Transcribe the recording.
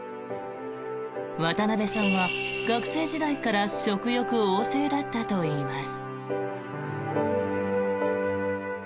渡辺さんは学生時代から食欲旺盛だったといいます。